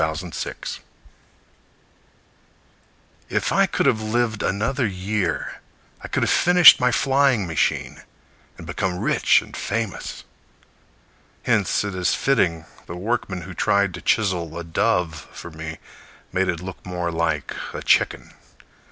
Franklin Jones If I could have lived another year I could have finished my flying machine, And become rich and famous. Hence it is fitting the workman Who tried to chisel a dove for me Made it look more like a chicken.